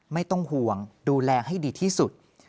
ไม่ต้องห่วงดูแลให้ดีที่สุด